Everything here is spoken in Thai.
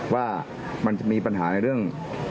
ว่ามันจะมีปัญหาในเรื่อง